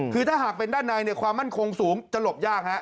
คือถ้าหากเป็นด้านในความมั่นคงสูงจะหลบยากฮะ